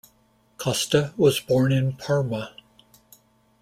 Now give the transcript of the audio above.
Costa was born in Parma.